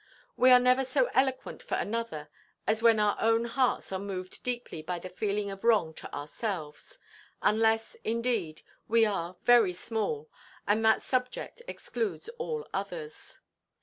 We are never so eloquent for another as when our own hearts are moved deeply by the feeling of wrong to ourselves; unless, indeed, we are very small, and that subject excludes all others.